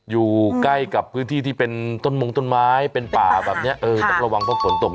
อยู่ใกล้กับพื้นที่ที่เป็นต้นมงต้นไม้เป็นป่าแบบเนี้ยเออต้องระวังเพราะฝนตก